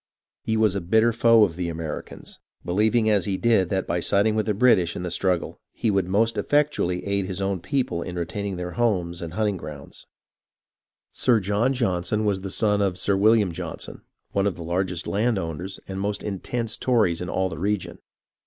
He was a bitter foe of the Americans, believing as he did that by siding with British in the struggle he would most effectually aid his own people in retaining their homes and hunting grounds. 191 192 HISTORY OF THE AMERIC/VN REVOLUTION Sir John Johnson was the son of Sir William Johnson, one of the largest landowners and most intense Tories in all the region.